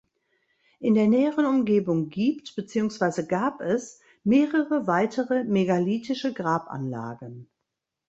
In der näheren Umgebung gibt beziehungsweise gab es mehrere weitere megalithische Grabanlagen.